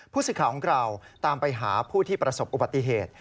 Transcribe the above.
สิทธิ์ของเราตามไปหาผู้ที่ประสบอุบัติเหตุ